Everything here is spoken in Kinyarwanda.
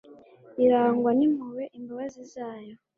irangwa n'impuhwe, imbabazi zayo